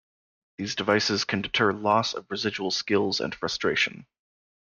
These devices can deter loss of residual skills and frustration.